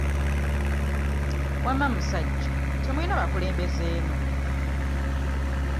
Wamma musajja temulina bakulembeze eno?